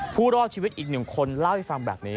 รอดชีวิตอีกหนึ่งคนเล่าให้ฟังแบบนี้